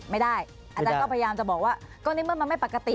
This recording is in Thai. ไม่ได้อาจารย์ก็พยายามจะบอกว่าก็ในเมื่อมันไม่ปกติ